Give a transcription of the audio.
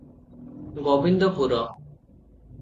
Gobindpur.